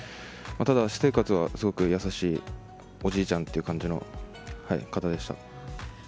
ただ、私生活はすごく優しいおじいちゃんという感じの方でした。